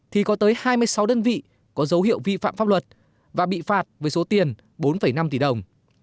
thì có tới hai mươi sáu đơn vị có dấu hiệu vi phạm pháp luật và bị phạt với số tiền bốn năm tỷ đồng